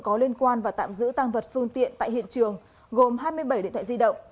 có liên quan và tạm giữ tăng vật phương tiện tại hiện trường gồm hai mươi bảy điện thoại di động